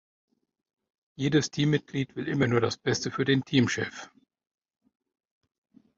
Jedes Teammitglied will immer nur das beste für den Teamchef.